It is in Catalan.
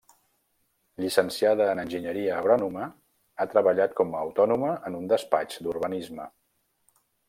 Llicenciada en enginyeria agrònoma, ha treballat com a autònoma en un despatx d'urbanisme.